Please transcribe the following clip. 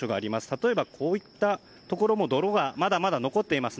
例えば、こういったところもまだまだ泥が残っています。